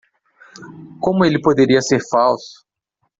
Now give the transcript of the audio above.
Como ele poderia ser falso?